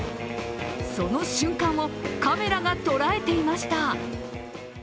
その瞬間をカメラが捉えていました。